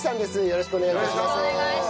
よろしくお願いします。